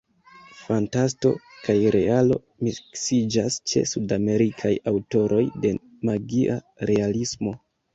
Fantasto kaj realo miksiĝas ĉe Sudamerikaj aŭtoroj de magia realismo.